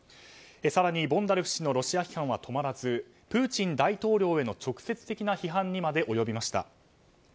更に、ボンダレフ氏のロシア批判は止まらずプーチン大統領への直接的な批判にまで及びました。